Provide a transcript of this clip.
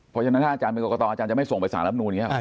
เพราะฉะนั้นถ้าอาจารย์เป็นกรกตอาจารย์จะไม่ส่งไปสารรับนูนอย่างนี้หรอ